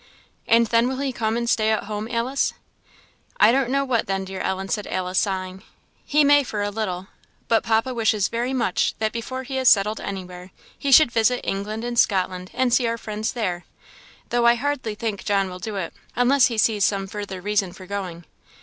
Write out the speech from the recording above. "And then will he come and stay at home, Alice?" "I don't know what then, dear Ellen," said Alice, sighing; "he may for a little; but Papa wishes very much that before he is settled anywhere, he should visit England and Scotland, and see our friends there; though I hardly think John will do it, unless he sees some further reason for going.